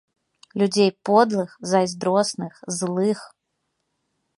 Людзей подлых, зайздросных, злых.